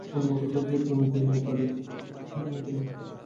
অন্য কোথাও গিয়ে জমি কিনে বাড়ি করার মতো সামর্থ্য আমাদের নেই।